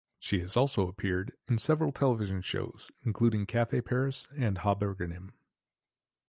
She has also appeared in several television shows, including "Cafe Paris" and "HaBurganim".